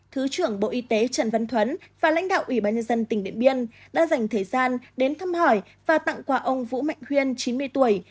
thứ trưởng bộ y tế trần văn thuấn và lãnh đạo ủy ban nhân dân tỉnh điện biên đã dành thời gian đến thăm hỏi và tặng quà ông vũ mạnh huyên chín mươi tuổi